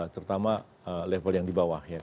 terutama level yang di bawah ya